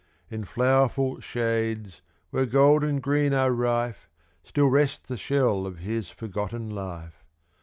In flowerful shades, where gold and green are rife, Still rests the shell of his forgotten life.